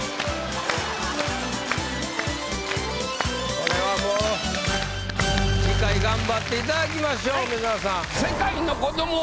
これはもう次回頑張っていただきましょう梅沢さん。